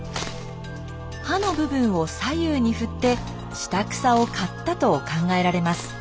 刃の部分を左右に振って下草を刈ったと考えられます。